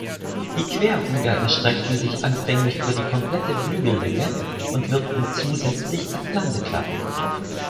Die Querruder erstreckten sich anfänglich über die komplette Flügellänge und wirkten zusätzlich als Landeklappen.